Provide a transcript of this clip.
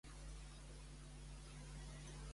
Qui és Josep Ynat?